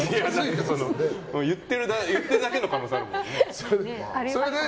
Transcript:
言ってるだけの可能性あるもんね。